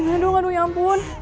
aduh ya ampun